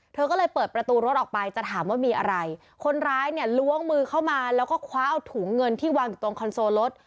เธอก็เลยเปิดประตูรถออกไปจะถามว่ามีอะไรคนร้ายเนี่ยล้วงมือเข้ามาแล้วก็คว้าเอาถุงเงินที่วางอยู่ตรงคอนโซลรถ